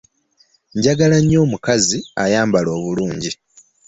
Njagala nnyo omukazi ayambala obulungi.